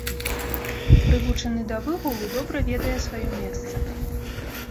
Прывучаны да выгулу, добра ведае сваё месца.